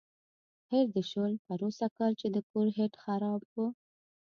هېر دې شول پروسږ کال چې د کور هیټ خراب و.